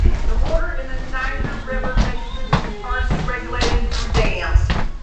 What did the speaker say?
The water in the Niger River basin is partially regulated through dams.